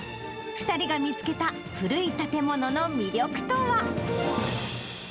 ２人が見つけた古い建物の魅力とは。